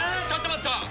ちょっと待った！